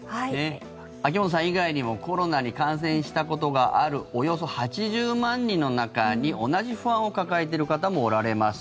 秋本さん以外にもコロナに感染したことがあるおよそ８０万人の中に同じ不安を抱えている方もおられます。